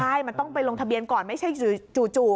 ใช่มันต้องไปลงทะเบียนก่อนไม่ใช่จู่